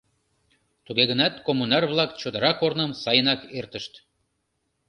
Туге гынат коммунар-влак чодыра корным сайынак эртышт.